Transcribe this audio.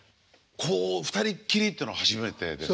こう２人きりっていうのは初めてです。